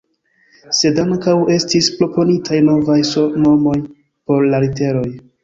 Sed ankaŭ estis proponitaj novaj nomoj por la literoj.